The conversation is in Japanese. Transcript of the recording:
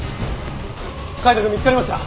海斗くん見つかりました！